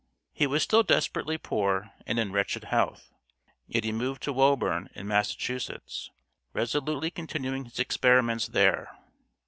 He was still desperately poor and in wretched health. Yet he moved to Woburn, in Massachusetts, resolutely continuing his experiments there.